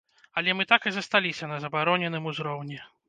Але мы так і засталіся на забароненым узроўні.